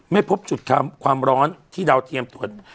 ไม่พบจุดความร้อนที่ดาวเทียมตรวจ